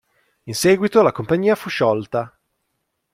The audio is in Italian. In seguito la compagnia fu sciolta.